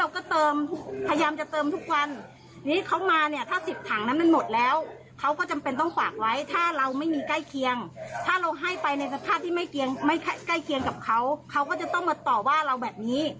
เขาก็จะต้องมาต่อว่าเราแบบนี้